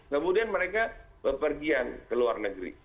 kemudian mereka berpergian ke luar negeri